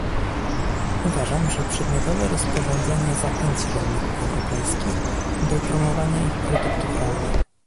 Uważam, że przedmiotowe rozporządzenie zachęci rolników europejskich do promowania ich produktów rolnych